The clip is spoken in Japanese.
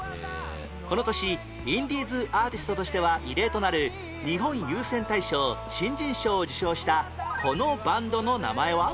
この年インディーズアーティストとしては異例となる日本有線大賞新人賞を受賞したこのバンドの名前は？